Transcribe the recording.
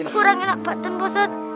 kurang enak baten ustadz